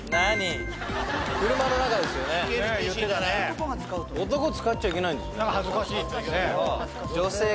男が使うと男使っちゃいけないんですよね